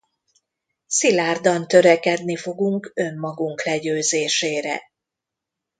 Szilárdan törekedni fogunk önmagunk legyőzésére.